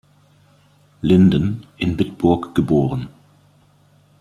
Linden, in Bitburg geboren.